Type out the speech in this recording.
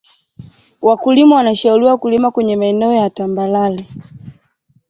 wakulima wanashauriwa kulima kwenye maeneo ya tambarare